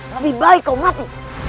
lebih baik kau mati